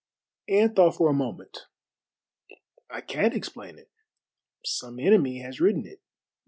Anne thought for a moment. "I can't explain it. Some enemy has written it.